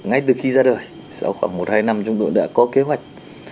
ngay từ khi ra đời sau khoảng một hai năm chúng tôi đã có kế hoạch